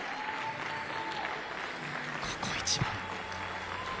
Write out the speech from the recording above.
ここ一番。